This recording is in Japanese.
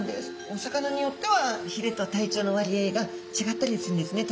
お魚によってはひれと体長の割合が違ったりするんですね。